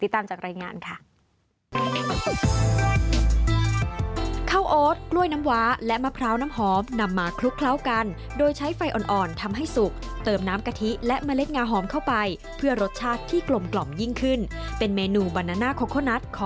ตามจากรายงานค่ะ